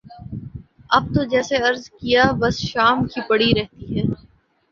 اب تو جیسے عرض کیا بس شام کی پڑی رہتی ہے